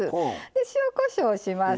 塩こしょうします。